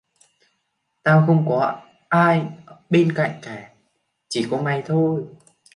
tao không có ai ở bên cạnh cả chỉ có mày thôi